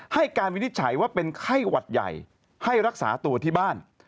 ให้การวินิจฉัยว่าเป็นไข้หวัดใหญ่ให้รักษาตัวที่บ้าน